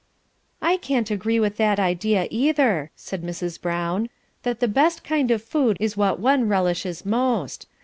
"I can't agree with that idea, either," said Mrs. Brown, "that the best kind of food is what one relishes most.